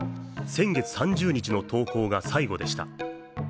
先月３０日の投稿が最後でした。